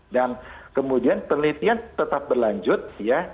dan kemudian penelitian tetap berlanjut ya